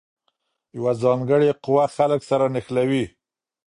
یوه ځانګړې قوه خلګ سره نښلوي.